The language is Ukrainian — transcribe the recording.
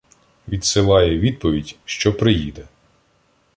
Відсилає відповідь, що приїде.